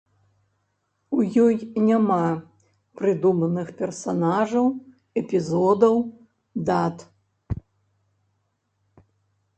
У ёй няма прыдуманых персанажаў, эпізодаў, дат.